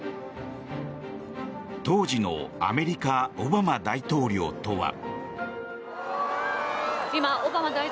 当時のアメリカ、オバマ大統領とは。